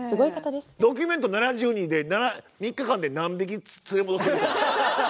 「ドキュメント７２時間」で３日間で何匹連れ戻せるか。